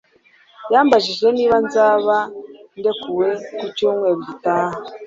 Yambajije niba nzaba ndekuwe ku cyumweru gitaha